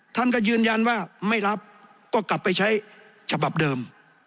ท่านก็ยืนยันว่าไม่รับก็กลับไปใช้ฉบับเดิม